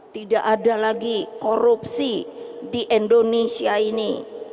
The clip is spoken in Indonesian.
tidak ada lagi korupsi di indonesia ini